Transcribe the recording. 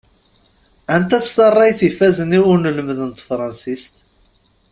Anta-tt tarrayt ifazen i ulmad n tefransist?